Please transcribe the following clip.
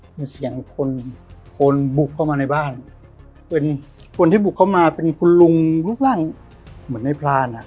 เป็นเสียงคนคนบุกเข้ามาในบ้านเป็นคนที่บุกเข้ามาเป็นคุณลุงรูปร่างเหมือนในพรานอ่ะ